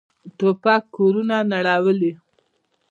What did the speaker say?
توپک کورونه نړولي.